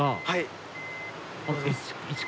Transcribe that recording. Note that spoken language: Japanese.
はい。